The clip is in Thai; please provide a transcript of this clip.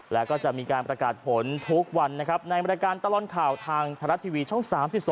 แล้วก็จะมีการประกาศผลทุกวันนะครับในบริการตลอดข่าวทางไทยรัฐทีวีช่อง๓๒